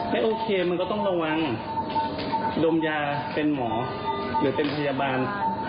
โอเคมันก็ต้องระวังดมยาเป็นหมอหรือเป็นพยาบาล